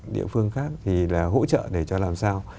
địa phương khác thì là hỗ trợ để cho làm sao